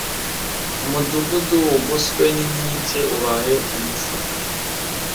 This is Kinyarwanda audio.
umudugudu ugoswe n inkike ubaye umusaka